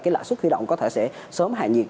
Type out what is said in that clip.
cái lãi suất huy động có thể sẽ sớm hạ nhiệt